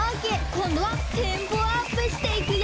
こんどはテンポアップしていくよ！